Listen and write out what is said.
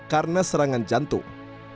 karena serangan jantung